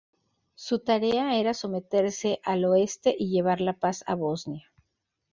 Su tarea era someterse al oeste y llevar la paz a Bosnia.